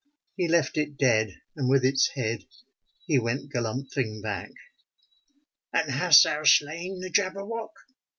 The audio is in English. He left it dead, and with its head He went galumphing back. '* And hast thou slain the Jabberwock